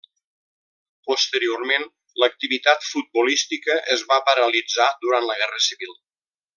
Posteriorment, l'activitat futbolística es va paralitzar durant la guerra civil.